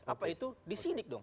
apa itu disidik dong